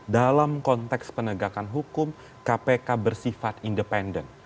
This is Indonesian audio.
dalam konteks penegakan hukum kpk bersifat independen